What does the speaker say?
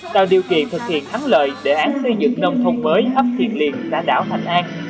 tạo điều kiện thực hiện thắng lợi đề án xây dựng nông thùng mới hấp thiện liền xã đảo thành an